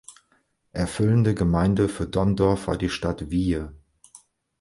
Erfüllende Gemeinde für Donndorf war die Stadt Wiehe.